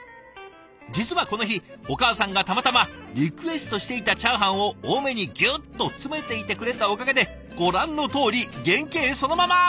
実はこの日お母さんがたまたまリクエストしていたチャーハンを多めにぎゅっと詰めていてくれたおかげでご覧のとおり原形そのまま！